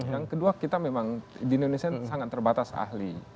yang kedua kita memang di indonesia sangat terbatas ahli